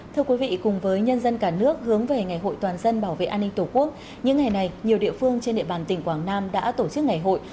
thưa quý vị cùng với nhân dân cả nước hướng về ngày hội toàn dân bảo vệ an ninh tổ quốc những ngày này nhiều địa phương trên địa bàn tỉnh quảng nam đã tổ chức ngày hội